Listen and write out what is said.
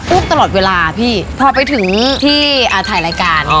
ตลอดเวลาพี่พอไปถึงที่ถ่ายรายการ